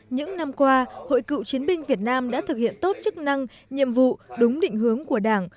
những năm qua hội cựu chiến binh việt nam đã thực hiện tốt chức năng nhiệm vụ đúng định hướng của đảng